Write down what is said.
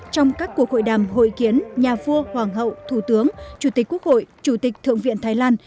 trong các cuộc hội đàm hội kiến nhà vua hoàng hậu thủ tướng chủ tịch quốc hội chủ tịch thượng viện thái lan